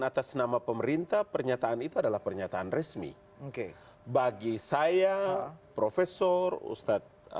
atas nama pemerintah pernyataan itu adalah pernyataan resmi oke bagi saya profesor ustadz